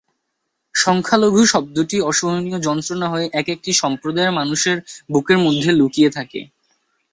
সংখ্যালঘু শব্দটি অসহনীয় যন্ত্রণা হয়ে এক-একটি সম্প্রদায়ের মানুষের বুকের মধ্যে লুকিয়ে থাকে।